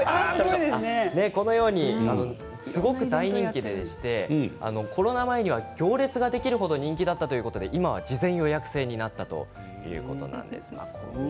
大人気でしてコロナ前には行列ができる程大人気だったということで今は事前予約制になったということです。